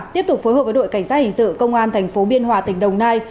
tiếp tục phối hợp với đội cảnh sát hình dự công an tp biên hòa tỉnh đồng nai